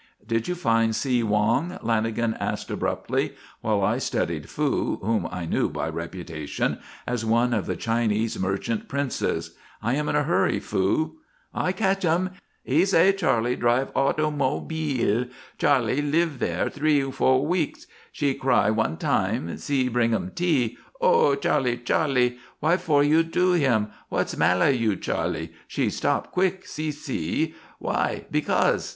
"Did you find See Wong?" Lanagan asked abruptly, while I studied Fu, whom I knew by reputation as one of the Chinese merchant princes. "I am in a hurry, Fu." "I catchem. He say Charley drive aut o mob eel. Charley live there three, fo' wicks. She cry one time See bringem tea: 'Oh, Charley! Charley! Why fo' you do him? What's mala you, Charley?' She stop quick see See. Why? Becaus'?